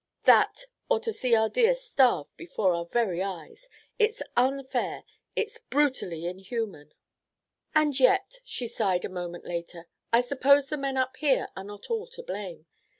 That, or to see our deer starve before our very eyes. It's unfair! It's brutally inhuman! "And yet," she sighed a moment later, "I suppose the men up here are not all to blame.